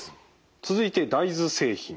続いて大豆製品。